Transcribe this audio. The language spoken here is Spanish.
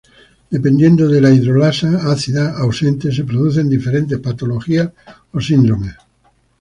Dependiendo de la hidrolasa ácida ausente se producen diferentes patologías o síndromes.